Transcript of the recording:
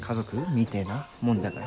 みてえなもんじゃから。